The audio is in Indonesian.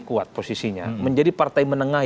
kuat posisinya menjadi partai menengah